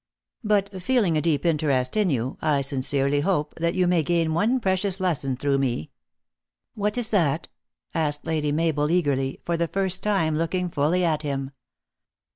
But feeling a deep interest in you, I sincerely hope that you may gain one pre cious lesson through me." "What is that?" asked Lady Mabel eagerly for the first time looking fully at him.